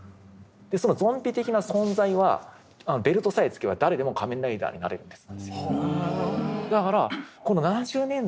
そのゾンビ的な存在はベルトさえつければ誰でも仮面ライダーになれるんです。